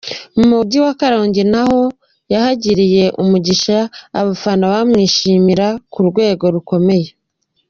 Mu Mujyi wa Karongi na ho yahagiriye umugisha abafana bamwishimira ku rwego rukomeye.